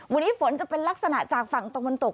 วันนี้ฝนจะเป็นลักษณะจากฝั่งตะวันตก